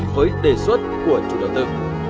với đề xuất của chủ đầu tư